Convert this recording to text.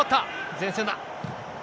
前線だ。